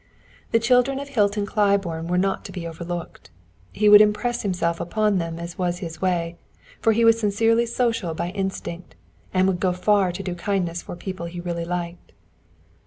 The children of Hilton Claiborne were not to be overlooked. He would impress himself upon them, as was his way; for he was sincerely social by instinct, and would go far to do a kindness for people he really liked.